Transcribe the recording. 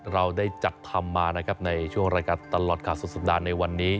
เราได้จัดธรรมมานะครับในช่วงรายการตลอดสุดด้านในวันนี้